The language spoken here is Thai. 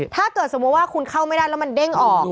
ถ้าเกิดสมมุติว่าคุณเข้าไม่ได้แล้วมันเด้งออก